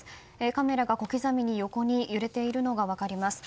カメラが小刻みに横に揺れているのが分かります。